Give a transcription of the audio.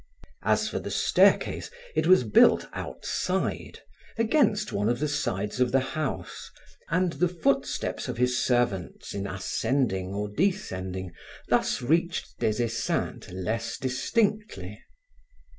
As for the staircase, it was built outside, against one of the sides of the house, and the footsteps of his servants in ascending or descending thus reached Des Esseintes less distinctly.